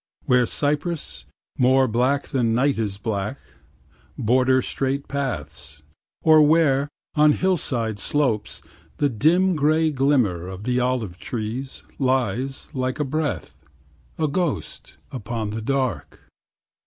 Where cypresses, more black than night is black, Border straight paths, or where, on hillside slopes. The dim grey glimmer of the olive trees Lies like a breath, a ghost, upon the dark.